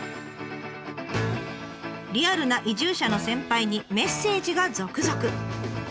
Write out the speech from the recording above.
リアルな移住者の先輩にメッセージが続々。